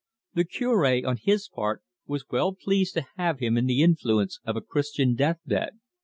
The Cure, on his part, was well pleased to have him in the influence of a Christian death bed.